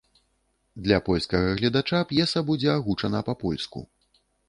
Для польскага гледача п'еса будзе агучана па-польску.